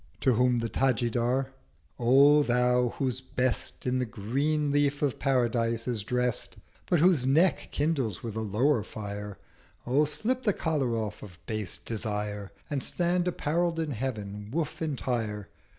To whom the Tajidar—'O thou whose Best 270 In the green leaf of Paradise is drest, But whose Neck kindles with a lower Fire— O slip the collar off of base Desire, And stand apparell'd in Heav'n's Woof entire!